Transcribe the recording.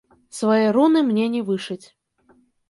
Свае руны мне не вышыць.